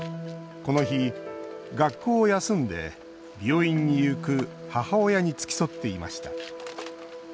この日、学校を休んで病院に行く母親に付き添っていました。